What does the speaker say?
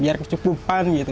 biar kesukupan gitu